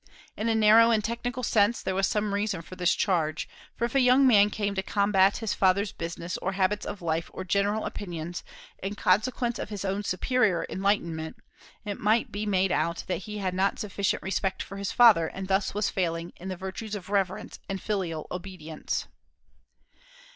In a narrow and technical sense there was some reason for this charge; for if a young man came to combat his father's business or habits of life or general opinions, in consequence of his own superior enlightenment, it might be made out that he had not sufficient respect for his father, and thus was failing in the virtues of reverence and filial obedience.